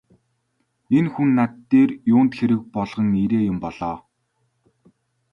Энэ хүн над дээр юунд хэрэг болгон ирээ юм бол оо!